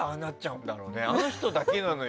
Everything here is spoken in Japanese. あの人だけなのよ